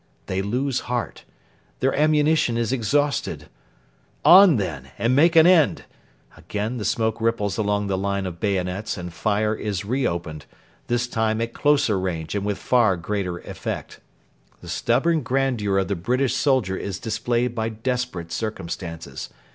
They lose heart. Their ammunition is exhausted. On, then, and make an end. Again the smoke ripples along the line of bayonets and fire is re opened, this time at closer range and with far greater effect. The stubborn grandeur of the British soldier is displayed by desperate circumstances.